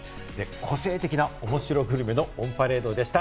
個性的なおもしろグルメのオンパレードでした。